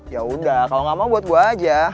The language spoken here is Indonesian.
yaudah kalo gak mau buat gue aja